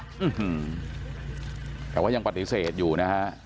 อืมแต่ว่ายังปฏิเสธอยู่นะฮะ